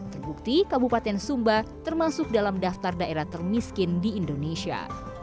terbukti kabupaten sumba termasuk dalam daftar daerah termiskin di indonesia